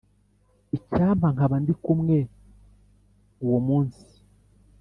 icyampa nkaba ndi kumwe uwo munsi